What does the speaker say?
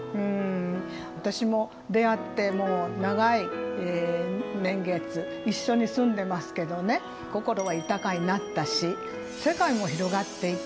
私も出会ってもう長い年月一緒に住んでますけどね心は豊かになったし世界も広がっていく。